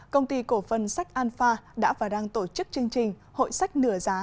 công ty cổ phân sách anfa đã và đang tổ chức chương trình hội sách nửa giá